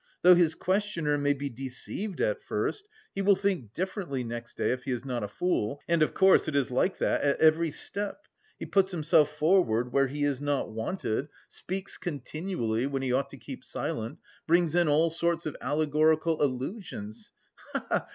Though his questioner may be deceived at first, he will think differently next day if he is not a fool, and, of course, it is like that at every step! He puts himself forward where he is not wanted, speaks continually when he ought to keep silent, brings in all sorts of allegorical allusions, he he!